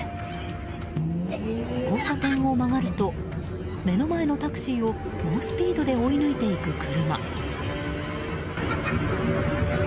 交差点を曲がると目の前のタクシーを猛スピードで追い抜いていく車。